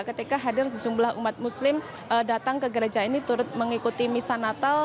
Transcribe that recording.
ketika hadir sejumlah umat muslim datang ke gereja ini turut mengikuti misa natal